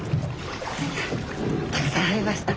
たくさん会えました！